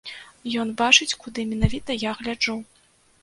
Ён бачыць, куды менавіта я гляджу.